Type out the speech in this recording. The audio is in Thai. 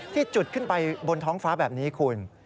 จุดขึ้นไปบนท้องฟ้าแบบนี้คุณ